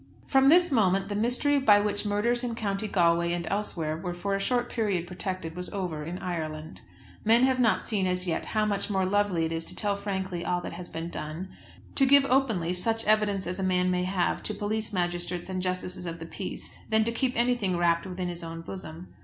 From this moment the mystery by which murders in County Galway and elsewhere were for a short period protected was over in Ireland. Men have not seen, as yet, how much more lovely it is to tell frankly all that has been done, to give openly such evidence as a man may have to police magistrates and justices of the peace, than to keep anything wrapped within his own bosom.